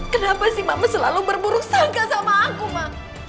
kenapa sih mama selalu berburuk sangka sama aku ma